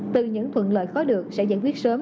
từ những thuận lợi khó được sẽ giải quyết sớm